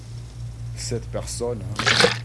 Cette personne.